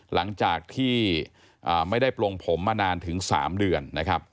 หลังจากที่ไม่ได้ปลงผมมานานถึง๓เดือนนะครับ